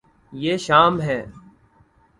یے شام ہے